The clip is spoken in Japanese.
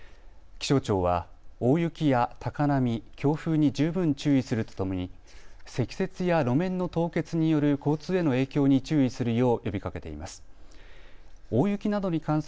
気象庁は大雪や高波、強風に十分注意するとともに積雪や路面の凍結による交通への影響に注意するよう呼びかけています。